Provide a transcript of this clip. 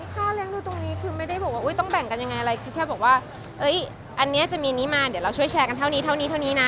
ค่าเลี้ยงดูตรงนี้คือไม่ได้บอกว่าต้องแบ่งกันยังไงอะไรคือแค่บอกว่าอันนี้จะมีนี้มาเดี๋ยวเราช่วยแชร์กันเท่านี้เท่านี้เท่านี้นะ